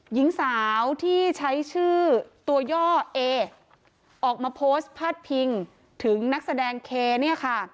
หญิงสาวที่ใช้ชื่อตัวย่อเอออกมาโพสต์พาดพิงถึงนักแสดงเคเนี่ยค่ะ